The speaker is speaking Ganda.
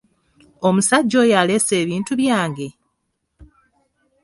Omusajja oyo aleese ebintu byange?